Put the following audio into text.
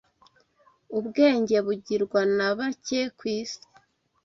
ubwenge bugirwa na bake ku isi